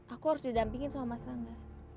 aku harus didampingin sama mas angga